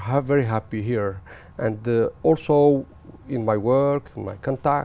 cũng vì vậy trong việc tôi trong liên lạc của tôi